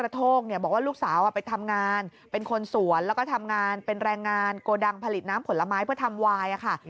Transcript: ทำงานโกดังผลิตน้ำผลไม้เพื่อทำวายค่ะ